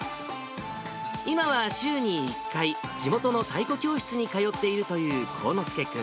今は週に１回、地元の太鼓教室に通っているという幸之助君。